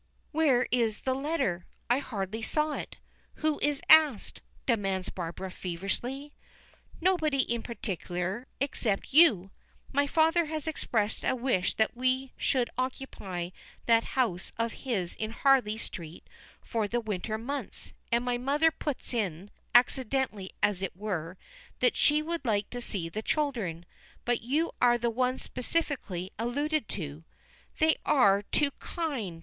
"Where is the letter? I hardly saw it. Who is asked?" demands Barbara feverishly. "Nobody in particular, except you. My father has expressed a wish that we should occupy that house of his in Harley street for the winter months, and my mother puts in, accidentally as it were, that she would like to see the children. But you are the one specially alluded to." "They are too kind!"